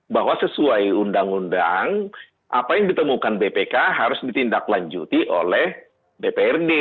bahwa sesuai undang undang apa yang ditemukan bpk harus ditindaklanjuti oleh dprd